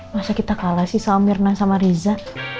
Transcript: masa kita kalah sih sama mirna sama riza